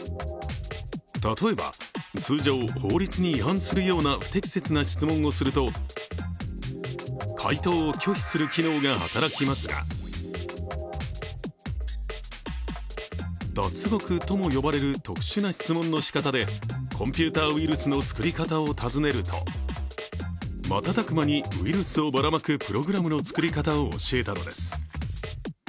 例えば、通常法律に違反するような不適切な質問をすると回答を拒否する機能が働きますが、脱獄とも呼ばれる特殊な質問のしかたでコンピューターウイルスの作り方を尋ねると瞬く間にウイルスをばらまくプログラムの作り方を教えたのです。